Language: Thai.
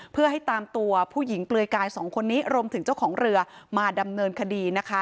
เพื่อให้ตามตัวผู้หญิงเปลือยกายสองคนนี้รวมถึงเจ้าของเรือมาดำเนินคดีนะคะ